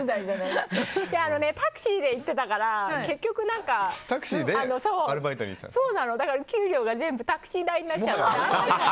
タクシーで行ってたから結局給料が全部タクシー代になっちゃった。